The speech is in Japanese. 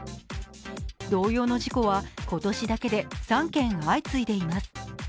同様の事故は今年だけで３件、相次いでいます。